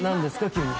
急に。